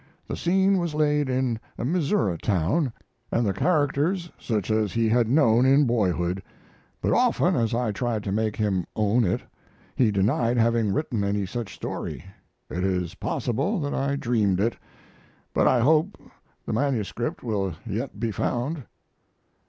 The scene was laid in a Missouri town, and the characters such as he had known in boyhood; but often as I tried to make him own it, he denied having written any such story; it is possible that I dreamed it, but I hope the MS. will yet be found.